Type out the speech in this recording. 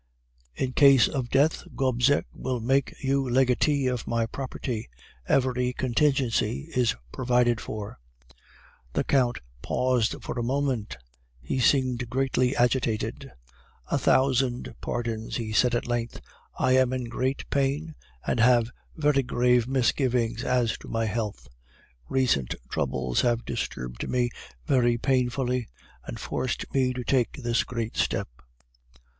In case of death, Gobseck would make you legatee of my property. Every contingency is provided for.' "The Count paused for a moment. He seemed greatly agitated. "'A thousand pardons,' he said at length; 'I am in great pain, and have very grave misgivings as to my health. Recent troubles have disturbed me very painfully, and forced me to take this great step.